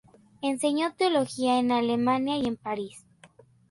Enseñó teología en Alemania y en París.